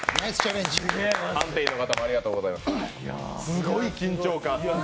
すごい緊張感。